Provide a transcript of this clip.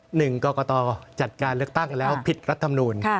หนึ่งกรกตจัดการเลือกตั้งแล้วผิดรัฐมนูล